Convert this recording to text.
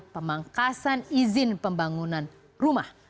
pemangkasan izin pembangunan rumah